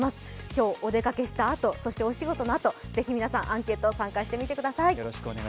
今日お出かけしたあとそしてお仕事のあと、ぜひ皆さんアンケートに参加してみてください。